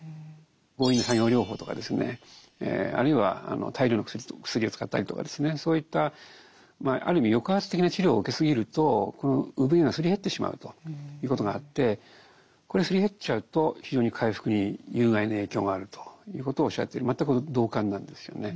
強引な作業療法とかですねあるいは大量の薬を使ったりとかですねそういったある意味抑圧的な治療を受けすぎるとこの生ぶ毛がすり減ってしまうということがあってこれがすり減っちゃうと非常に回復に有害な影響があるということをおっしゃってて全く同感なんですよね。